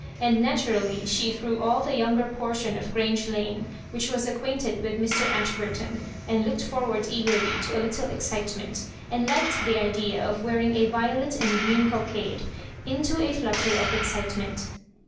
And, naturally, she threw all the younger portion of Grange Lane, which was ac quainted with Mr. Ashburton, and looked for ward eagedy to a little excitement and liked the idea of wearing a violet and green cockade, into a flutter of excitement.